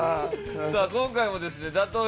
さあ今回もですね打倒